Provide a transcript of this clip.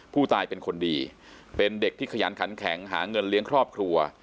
ผู้ตายเป็นคนดีเป็นเด็กที่ขยันขันแข็งหาเงินเลี้ยงครอบครัว